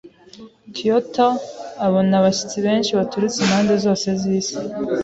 Kyoto abona abashyitsi benshi baturutse impande zose z'isi.